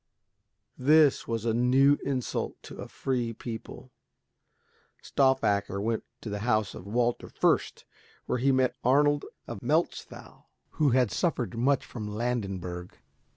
This was a new insult to a free people. Stauffacher went to the house of Walter Fürst, where he met Arnold of Melchthal, who had suffered much from Landenberg.